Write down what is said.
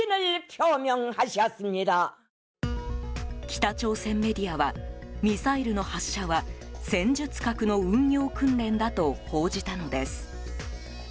北朝鮮メディアはミサイルの発射は戦術核の運用訓練だと報じたのです。